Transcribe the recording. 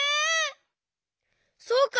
そうか！